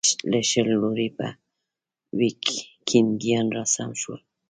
له شل لوري به ویکینګیان راسم شول.